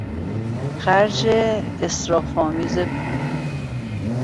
خرج اسراف آمیز پول